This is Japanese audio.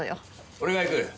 俺が行く。